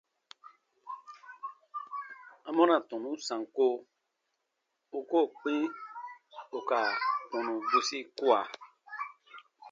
Amɔna tɔnu sanko u koo kpĩ ù ka tɔnu bwisi kua?